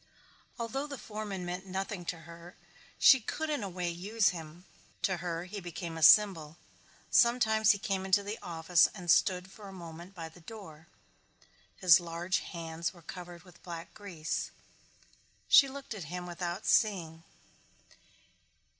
Although the foreman meant nothing to her she could in a way use him. To her he became a symbol. Sometimes he came into the office and stood for a moment by the door. His large hands were covered with black grease. She looked at him without seeing.